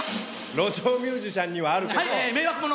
路上ミュージシャンにはあるけどはい迷惑者！